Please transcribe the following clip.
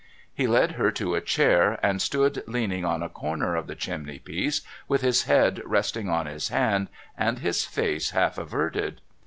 He led her to a chair, and stood leaning on a corner of the chimney piece, with his head resting on his hand, and his face half averted.